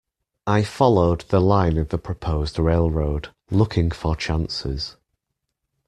I followed the line of the proposed railroad, looking for chances.